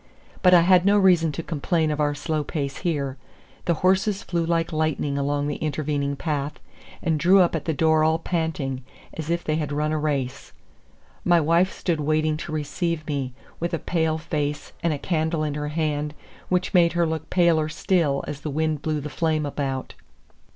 But I had no reason to complain of our slow pace here. The horses flew like lightning along the intervening path, and drew up at the door all panting, as if they had run a race. My wife stood waiting to receive me, with a pale face, and a candle in her hand, which made her look paler still as the wind blew the flame about.